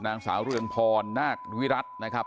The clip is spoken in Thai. นางสาวเรืองพรนาควิรัตินะครับ